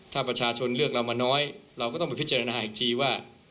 ถ้าประชาชนเลือกเรามาน้อยเราก็ต้องไปพิจารณาอีกทีว่า